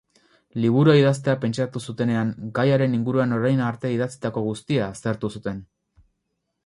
Liburua idaztea pentsatu zutenean, gaiaren inguruan orain arte idatzitako guztia aztertu zuten.